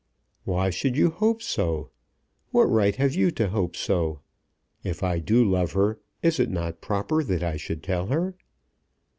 "Why should you hope so? What right have you to hope so? If I do love her, is it not proper that I should tell her?"